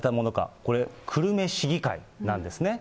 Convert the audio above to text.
これ久留米市議会なんですね。